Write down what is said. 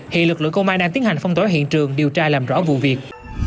hiện lực lượng công an đang tiến hành phong tỏa hiện trường điều tra làm rõ vụ việc